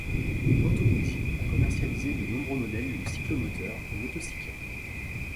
Moto Guzzi a commercialisé de nombreux modèles de cyclomoteurs et motocyclettes.